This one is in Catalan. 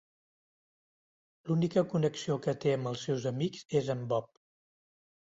L'única connexió que té amb els seus amics és en Bob.